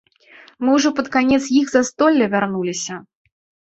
Мы ўжо пад канец іх застолля вярнуліся.